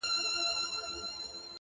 o پور پر غاړه، مېږ مرداره.